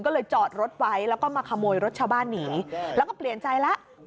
ก็เลยจอดรถไว้แล้วก็มาขโมยรถชาวบ้านหนีแล้วก็เปลี่ยนใจแล้ว